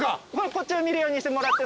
こっちを見るようにしてもらって。